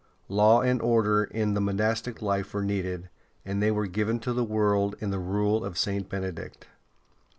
Law and order in the monastic life were needed, and they were given to the world in the Rule of St. Benedict.